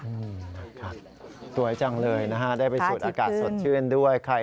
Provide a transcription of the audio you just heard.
สวยจังเลยนะฮะได้ไปสุดอากาศสดชื่นด้วยค่ะ